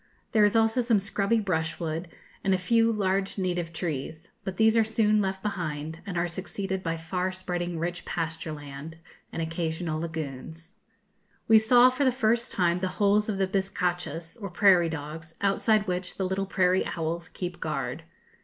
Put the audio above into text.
There is also some scrubby brushwood, and a few large native trees; but these are soon left behind, and are succeeded by far spreading rich pasture land, and occasional lagunes. We saw for the first time the holes of the bizcachas, or prairie dogs, outside which the little prairie owls keep guard.